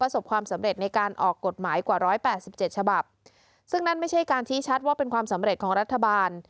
ความสำเร็จในการออกกฎหมายกว่าร้อยแปดสิบเจ็ดฉบับซึ่งนั่นไม่ใช่การชี้ชัดว่าเป็นความสำเร็จของรัฐบาล